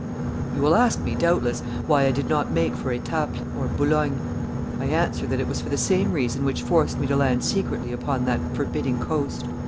You will ask me, doubtless, why I did not make for Etaples or Boulogne. I answer that it was for the same reason which forced me to land secretly upon that forbidding coast.